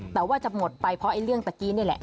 แต่ว่าจะหมดไปเพราะไอ้เรื่องตะกี้นี่แหละ